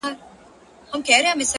تر مرگه پوري هره شپه را روان.!